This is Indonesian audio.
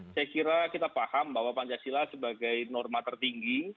saya kira kita paham bahwa pancasila sebagai norma tertinggi